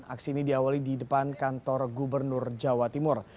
aksi ini diawali di depan kantor gubernur jawa timur